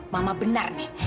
mama benar nih